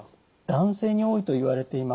男性に多いといわれています。